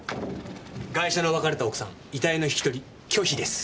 ガイシャの別れた奥さん遺体の引き取り拒否です。